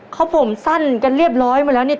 เขาผมสั้นกันเรียบร้อยมาแล้วเนี่ย